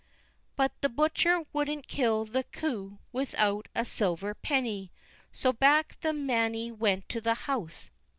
But the butcher wouldn't kill the coo without a silver penny, so back the Mannie went to the house.